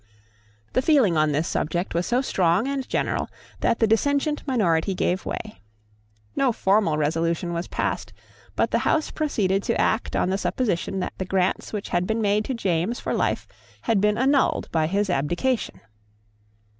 The feeling on this subject was so strong and general that the dissentient minority gave way. No formal resolution was passed; but the House proceeded to act on the supposition that the grants which had been made to James for life had been annulled by his abdication.